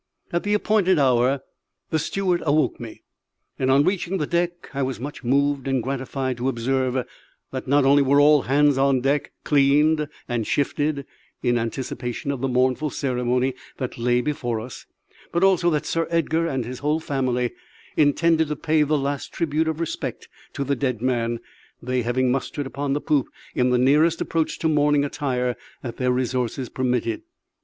At the appointed hour the steward awoke me; and on reaching the deck I was much moved and gratified to observe that not only were all hands on deck, "cleaned and shifted" in anticipation of the mournful ceremony that lay before us, but also that Sir Edgar and his whole family intended to pay the last tribute of respect to the dead man, they having mustered upon the poop in the nearest approach to mourning attire that their resources permitted.